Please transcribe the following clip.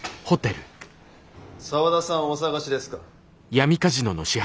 沢田さんをお捜しですか？